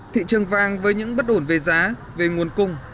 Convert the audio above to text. thị trường vàng với những bất ổn về giá về nguồn cung